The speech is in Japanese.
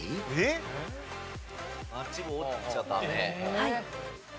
えっ？